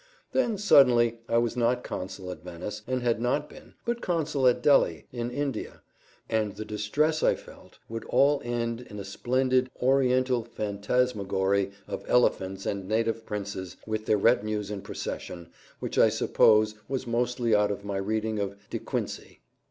Then, suddenly, I was not consul at Venice, and had not been, but consul at Delhi, in India; and the distress I felt would all end in a splendid Oriental phantasmagory of elephants and native princes, with their retinues in procession, which I suppose was mostly out of my reading of De Quincey.